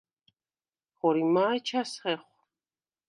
ხორიმა̄ ეჩას ხეხვ?